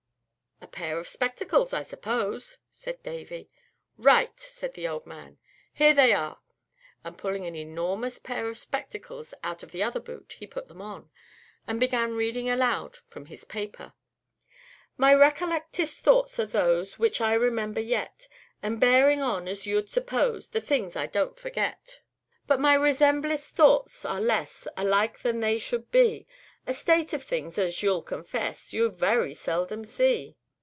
"A pair of spectacles, I suppose," said Davy. "Right!" said the old man. "Here they are." And pulling an enormous pair of spectacles out of the other boot he put them on, and began reading aloud from his paper: My recollectest thoughts are those Which I remember yet; And bearing on, as you'd suppose, The things I don't forget. _But my resemblest thoughts are less Alike than they should be; A state of things, as you'll confess, You very seldom see.